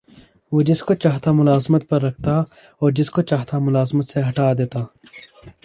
وہ جس کو چاہتا ملازمت پر رکھتا اور جس کو چاہتا ملازمت سے ہٹا دیتا